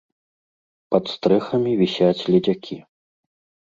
Пад стрэхамі вісяць ледзякі.